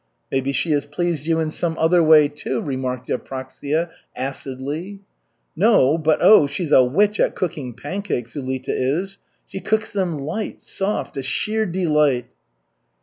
"Maybe she has pleased you in some other way, too," remarked Yevpraksia acidly. "No, but, oh, she's a witch at cooking pancakes, Ulita is. She cooks them light, soft a sheer delight!"